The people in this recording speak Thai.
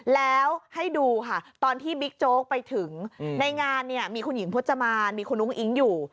แล้วให้ดูค่ะตอนที่บิ๊กโจ๊กไปถึงในงานเนี่ยมีคุณหญิงพจมานมีคุณอุ้งอิ๊งอยู่